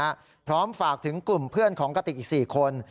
ตัวกติกนะครับพร้อมฝากถึงกลุ่มเพื่อนของกติกอีกสี่คน